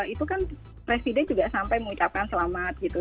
itu kan presiden juga sampai mengucapkan selamat gitu